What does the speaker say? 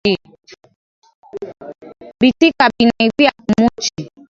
Bitika binaiviya ku muchi